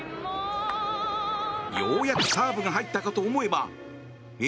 ようやくサーブが入ったかと思えばえ？